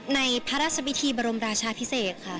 ในพระราชพิธีบรมราชาพิเศษค่ะ